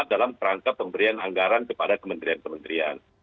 dalam rangka pemberian anggaran kepada kementerian kementerian